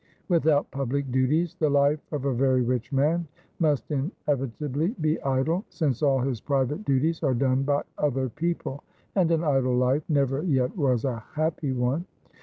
Without public duties the life of a very rich man must inevitably be idle, since all his private duties are done by other people. And an idle life never yet was a happy one.'